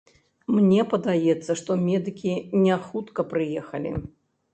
Мне падаецца, што медыкі не хутка прыехалі.